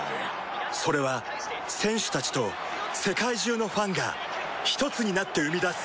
それは選手たちと世界中のファンがひとつになって生み出す